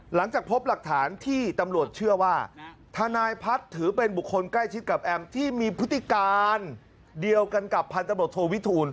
หลังจากพบหลักฐานที่ตำรวจเชื่อว่าทนายพัฒน์ถือเป็นบุคคลใกล้ชิดกับแอมที่มีพฤติการเดียวกันกับพันธบทโทวิทูล